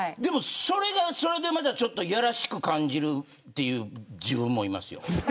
それはそれで、またちょっとやらしく感じるっていう自分もいますよ。